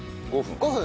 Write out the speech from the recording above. ５分。